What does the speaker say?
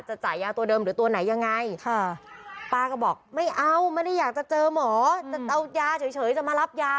จ่ายยาตัวเดิมหรือตัวไหนยังไงค่ะป้าก็บอกไม่เอาไม่ได้อยากจะเจอหมอจะเอายาเฉยจะมารับยา